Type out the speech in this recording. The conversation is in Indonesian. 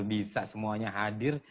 bisa semuanya hadir